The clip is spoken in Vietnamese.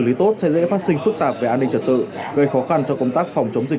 lý tốt sẽ dễ phát sinh phức tạp về an ninh trật tự gây khó khăn cho công tác phòng chống dịch